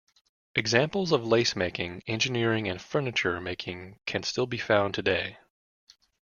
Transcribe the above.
Examples of lace making, engineering and furniture making can still be found today.